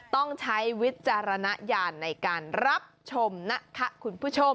ต้องใช้วิจารณญาณในการรับชมนะคะคุณผู้ชม